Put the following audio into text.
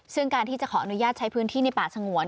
ซึ่งการที่จะขออนุญาตใช้พื้นที่ในป่าสงวน